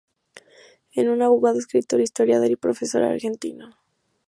Es un abogado, escritor, historiador y profesor argentino.